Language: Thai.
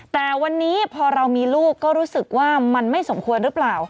แต่วันนี้พอเรามีลูกก็รู้สึกว่ามันไม่สมควรหรือเปล่า